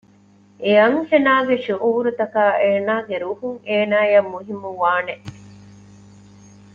އެ އަންހެނާގެ ޝުޢޫރުތަކާއި އޭނާގެ ރުހުން އޭނާއަށް މުހިންމުވާނެ